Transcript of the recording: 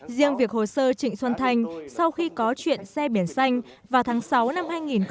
riêng việc hồ sơ trịnh xuân thanh sau khi có chuyện xe biển xanh vào tháng sáu năm hai nghìn một mươi chín